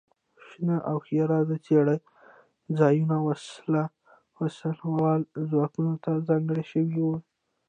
شنه او ښېرازه څړځایونه وسله والو ځواکونو ته ځانګړي شوي وو.